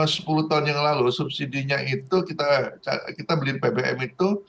sepuluh tahun yang lalu subsidi nya itu kita beli bbm itu